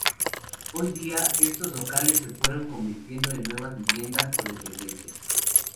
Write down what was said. Hoy día estos locales se fueron convirtiendo en nuevas viviendas o dependencias.